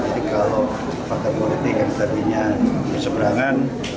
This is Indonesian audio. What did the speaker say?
jadi kalau faktor politik yang tadinya berseberangan